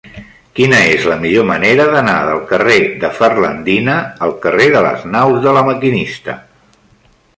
Quina és la millor manera d'anar del carrer de Ferlandina al carrer de les Naus de La Maquinista?